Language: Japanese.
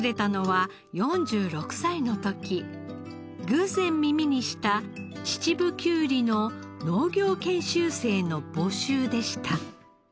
偶然耳にした秩父きゅうりの農業研修生の募集でした。